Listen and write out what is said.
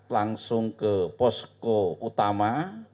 langsung ke posko utama